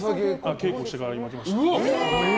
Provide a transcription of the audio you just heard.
稽古してから来ました。